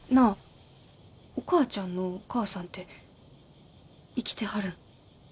お母ちゃんのお母さんて生きてはるん？